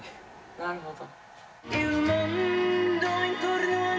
なるほど。